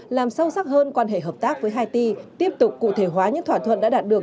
làm sâu sắc hơn quan hệ hợp tác với haiti tiếp tục cụ thể hóa những thỏa thuận đã đạt được